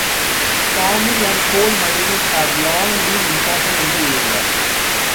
Farming and coal mining have long been important in the area.